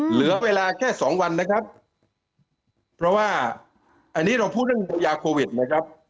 เหลือเวลาแค่สองวันนะครับเพราะว่าอันนี้เราพูดเรื่องยาโควิดนะครับ